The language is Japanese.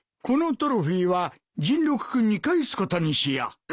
このトロフィーは甚六君に返すことにしよう。